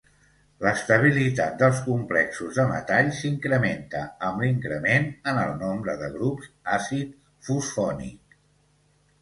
L'estabilitat dels complexos de metall s'incrementa amb l'increment en el nombre de grups àcid fosfònic.